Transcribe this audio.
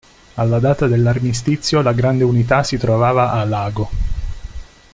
Alla data dell'armistizio la grande unità si trovava a Lago.